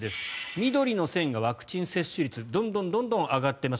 緑の線がワクチン接種率どんどん上がっています。